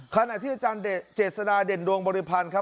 ขณะที่อาจารย์เจษฎาเด่นดวงบริพันธ์ครับ